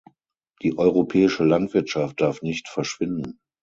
Die europäische Landwirtschaft darf nicht verschwinden.